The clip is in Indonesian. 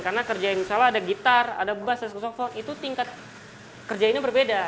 karena kerjain misalnya ada gitar ada bass ada softphone itu tingkat kerjainnya berbeda